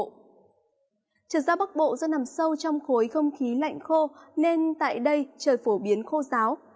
trở ra bắc bộ do nằm sâu trong khối không khí lạnh khô nên tại đây trời phổ biến khô giáo